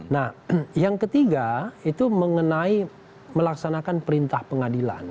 nah yang ketiga itu mengenai melaksanakan perintah pengadilan